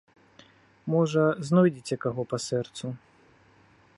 Можа, знойдзеце каго па сэрцу.